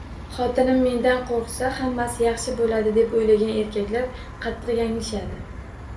Xotinim mendan qo'rqsa, hammasi yaxshi bo'ladi, deb o‘ylagan erkak qattiq yanglishadi.